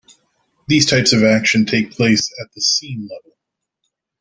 These types of action take place at the "scene level".